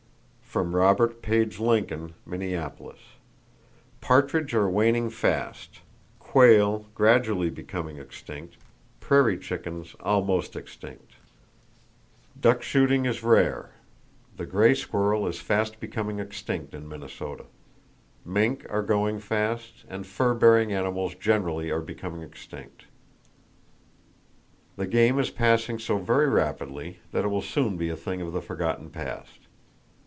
From Robert Page Lincoln, Minneapolis.—Partridge are waning fast, quail gradually becoming extinct, prairie chickens almost extinct. Duck shooting is rare. The gray squirrel is fast becoming extinct in Minnesota. Mink are going fast, and fur bearing animals generally are becoming extinct. The game is passing so very rapidly that it will soon be a thing of the forgotten past.